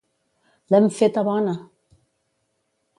L'hem feta bona!